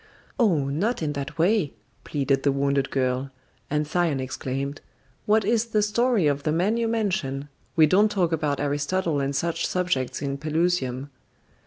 "Oh, not in that way," pleaded the wounded girl; and Thyone exclaimed: "What is the story of the man you mention? We don't talk about Aristotle and such subjects in Pelusium."